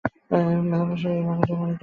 মেসোমশায়ের এ বাগানটি আমারই তৈরি ।